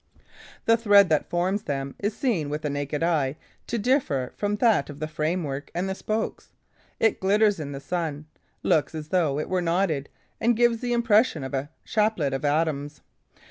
The thread that forms them is seen with the naked eye to differ from that of the framework and the spokes. It glitters in the sun, looks as though it were knotted and gives the impression of a chaplet of atoms.